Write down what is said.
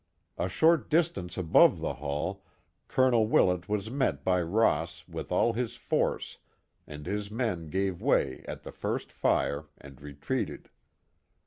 A short distance above the Hall, Colonel Willett was met by Ross with all his force, and his men gave way at the first fire and retreated.